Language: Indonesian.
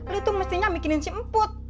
lu tuh mestinya bikinin si emput